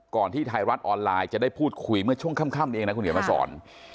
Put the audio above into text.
ที่ไทยรัฐออนไลน์จะได้พูดคุยเมื่อช่วงค่ำเองนะคุณเขียนมาสอน